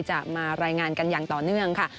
จะมารายงานกันอย่างต่อเนื่องค่ะ